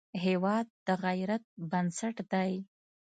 هېواد د غیرت بنسټ دی.